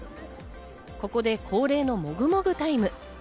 ここで恒例のもぐもぐタイム。